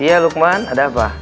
iya lukman ada apa